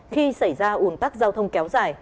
khi xảy ra un tắc giao thông kéo dài